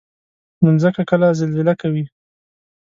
مځکه کله زلزله کوي.